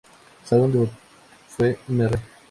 Su álbum debut fue Mr.